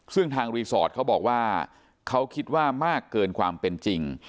ซึ่งทางรีสอร์ทเขาบอกว่าเขาคิดว่ามากเกินความเป็นจริง